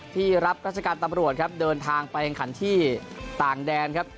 ที่รับราชการตำรวจครับเดินทางไปแข่งขันที่ต่างแดนครับ